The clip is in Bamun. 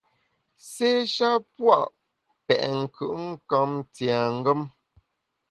Sé sha pua’ petnkùtnkamtiengem.